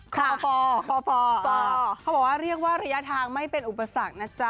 เขาบอกว่าเรียกว่าระยะทางไม่เป็นอุปสรรคนะจ๊ะ